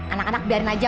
anak anak biarin aja